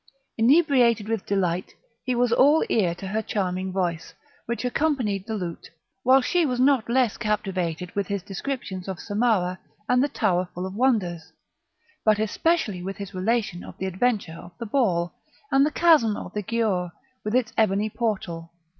Inebriated with delight, he was all ear to her charming voice, which accompanied the lute; while she was not less captivated with his descriptions of Samarah and the tower full of wonders, but especially with his relation of the adventure of the ball, and the chasm of the Giaour, with its ebony portal.